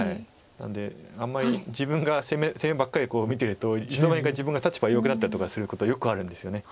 なのであんまり自分が攻めばっかり見てるといつの間にか自分が立場弱くなったとかすることよくあるんですよね。